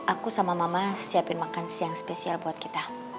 aku sama mama siapin makan siang spesial buat kita